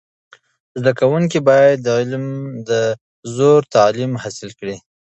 زده کوونکي باید د علم د زرو تعلیم حاصل کړي.